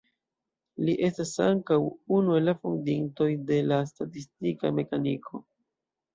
Li estas ankaŭ unu el la fondintoj de la statistika mekaniko.